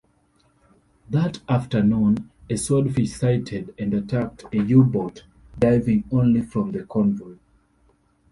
That afternoon a Swordfish sighted and attacked a U-boat diving only from the convoy.